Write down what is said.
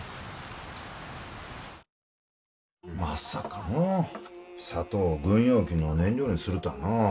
まさかのう砂糖を軍用機の燃料にするたあのう。